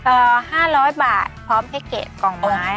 เอ่อ๕๐๐บาทพร้อมให้เกะกล่องไม้